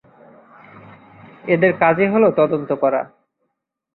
এদের কাজই হলো তদন্ত করা।